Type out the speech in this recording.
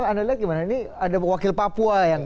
anda lihat gimana ini ada wakil papua yang